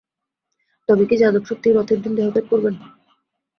তবে কি যাদব সত্যিই রথের দিন দেহত্যাগ করবেন?